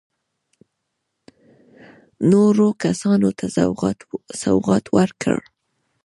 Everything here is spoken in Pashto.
نورو کسانو ته سوغات ورکړ.